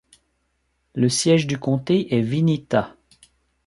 Le siège du comté est Vinita.